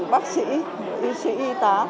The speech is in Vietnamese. bác sĩ y tế y tá